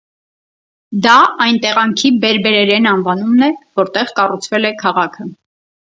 Դա այն տեղանքի բերբերերեն անվանումն է, որտեղ կառուցվել է քաղաքը։